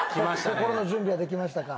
心の準備はできましたか？